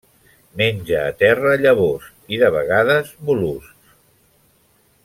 Menja a terra llavors i, de vegades, mol·luscs.